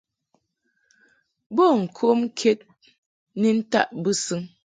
Bo ŋkom ked ni ntaʼ bɨsɨŋ.